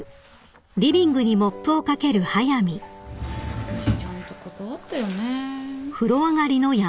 私ちゃんと断ったよね？